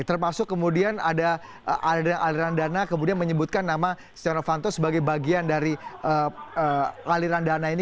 termasuk kemudian ada aliran dana kemudian menyebutkan nama stiano fanto sebagai bagian dari aliran dana ini